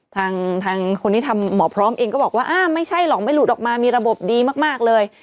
ทางคนที่ทำหมอพร้อมเองก็บอกว่าอ่าไม่ใช่หรอกไม่หลุดออกมามีระบบดีมากเลย